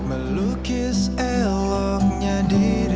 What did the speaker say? melukis eloknya diri